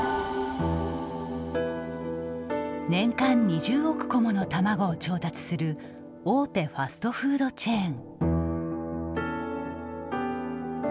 年間２０億個もの卵を調達する大手ファストフードチェーン。